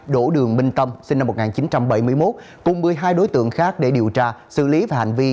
đỗ đường minh tâm sinh năm một nghìn chín trăm bảy mươi một cùng một mươi hai đối tượng khác để điều tra xử lý về hành vi